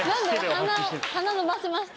鼻鼻伸ばしました。